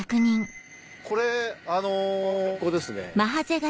・これ・ここですね。